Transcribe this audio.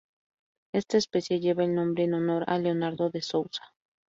Esta especie lleva el nombre en honor a Leonardo De Sousa.